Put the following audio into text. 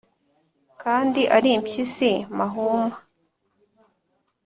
Kandi Ari impyisi mahuma